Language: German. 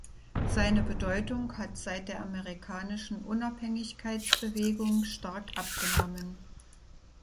Seine Bedeutung hat seit der Amerikanischen Unabhängigkeitsbewegung stark abgenommen.